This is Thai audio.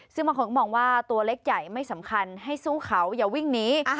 ซึ่งบางคนก็มองว่าตัวเล็กใหญ่ไม่สำคัญให้สู้เขาอย่าวิ่งหนี